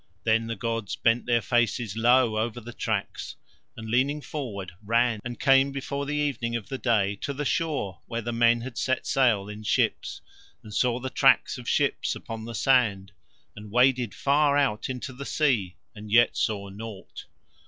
Then the gods bent their faces low over the tracks and leaning forward ran, and came before the evening of the day to the shore where the men had set sail in ships, and saw the tracks of ships upon the sand, and waded far out into the sea, and yet saw nought.